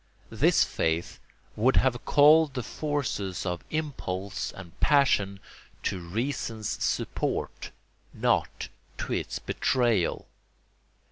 This faith would have called the forces of impulse and passion to reason's support, not to its betrayal.